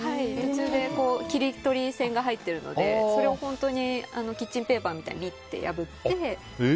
切り取り線が入っているのでそれをキッチンペーパーみたいにビッと破って。